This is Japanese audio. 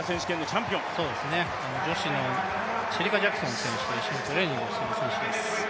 女子のシェリカ・ジャクソン選手と一緒にトレーニングをしている選手。